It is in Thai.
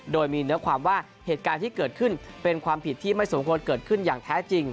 โดยมีเนื้อความว่าเหตุการณ์ที่เกิดขึ้นเป็นความผิดที่ไม่สมควรเกิดขึ้นอย่างแท้จริง